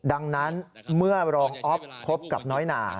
ดังนั้นเมื่อรองอ๊อฟพบกับน้อยหนา